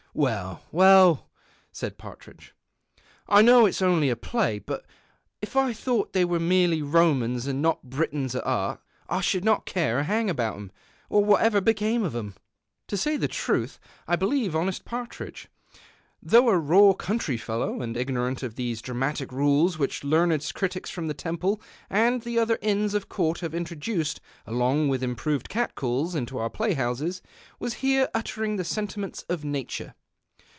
" Well, well,"" said Partridge, " I know it is only a play, but if I thought they were merely Romans, and not Britons at heart, I should not care a hang about 'em or what became of "em." To say the truth, I believe honest Partridge, though a raw country fellow and ignorant of those dramatic rules which learned critics from the Temple and the other Inns of Court have introduced, along with improved catcalls, into our i)layhouses, was here uttering the sentiments of nature.